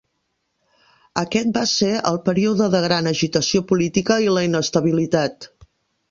Aquest va ser el període de gran agitació política i la inestabilitat.